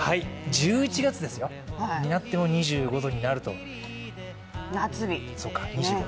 １１月になっても２５度になると夏日。